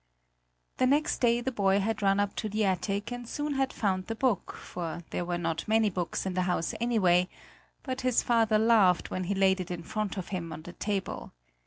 The next day the boy had run up to the attic and soon had found the book, for there were not many books in the house anyway, but his father laughed when he laid it in front of him on the table.